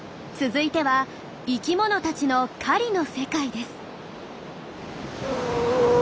続いては生きものたちの狩りの世界です。